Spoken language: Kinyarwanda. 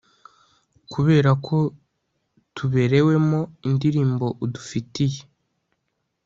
Kuberako tuberewemo indirimbo udufitiye